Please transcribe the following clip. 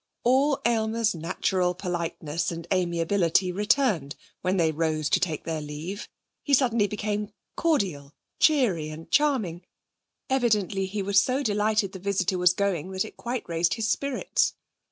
All Aylmer's natural politeness and amiability returned when they rose to take their leave. He suddenly became cordial, cheery and charming. Evidently he was so delighted the visitor was going that it quite raised his spirits.